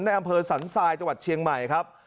อำเภอสันทรายจังหวัดเชียงใหม่ครับ